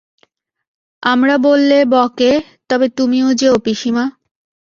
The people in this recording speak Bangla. আমরা বললে বকে, তবে তুমিও যেয়ো পিসিমা।